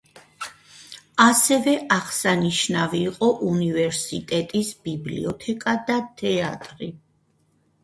ასევე აღსანიშნავი იყო უნივერსიტეტის ბიბლიოთეკა და თეატრი.